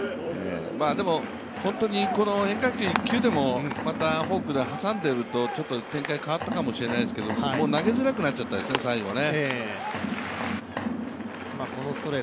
でも本当に変化球１球でもまたフォークで挟んでいると、ちょっと展開が変わったかもしれないですけど投げづらくなっちゃいますよね、最後ね。